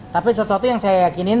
tapi sesuatu yang saya yakinin